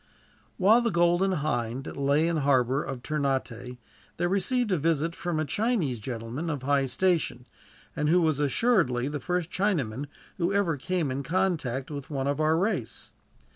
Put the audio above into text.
While the Golden Hind lay in the harbor of Ternate, they received a visit from a Chinese gentlemen of high station, and who was assuredly the first Chinaman who ever came in contact with one of our race.